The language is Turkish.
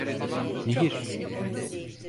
Nehir…